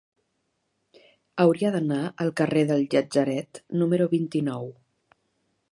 Hauria d'anar al carrer del Llatzeret número vint-i-nou.